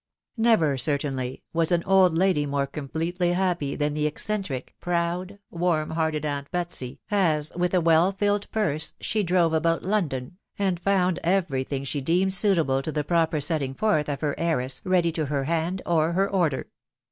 409 Never, certainly, was an old lady more completely happy than the eccentric, proud, warm hearted aunt Betsy, as, with a well filled purse, she drove about London, and found every thing she deemed suitable to the proper setting forth of her heiress ready to her hand or her order.